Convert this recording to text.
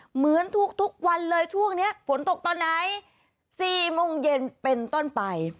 เหมือนทุกวันเลยช่วงนี้ฝนตกตอนไหน๔โมงเย็นเป็นต้นไป